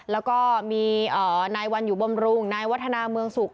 แล้วก็มีนายวันอยู่บำรุงนายวัฒนาเมืองสุข